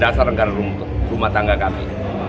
dasar anggaran rumah tangga kami